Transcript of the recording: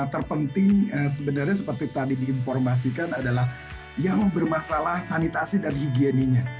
terpenting sebenarnya seperti tadi diinformasikan adalah yang bermasalah sanitasi dan higienisnya